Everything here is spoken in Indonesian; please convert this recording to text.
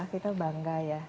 kita bangga ya